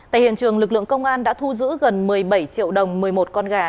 tại hiện trường lực lượng công an đã thu giữ gần một mươi bảy triệu đồng một mươi một con gà